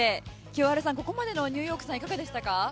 清春さん、ここまでのニューヨークさんいかがでしたか？